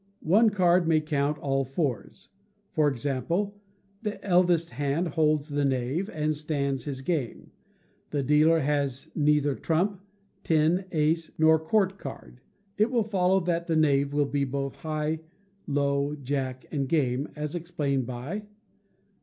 One card may count all fours; for example, the eldest hand holds the knave and stands his game, the dealer has neither trump, ten, ace, nor court card; it will follow that the knave will be both high, low, Jack, and game, as explained by 93.